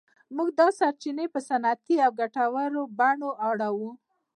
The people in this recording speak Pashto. موږ دا سرچینې په صنعتي او ګټورو بڼو اړوو.